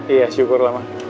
iya syukurlah ma